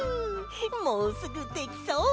もうすぐできそう！